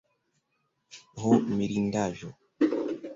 ho mirindaĵo!